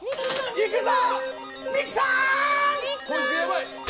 いくぞ！